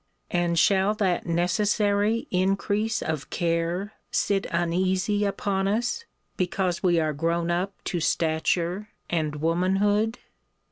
And shall that necessary increase of care sit uneasy upon us, because we are grown up to stature and womanhood?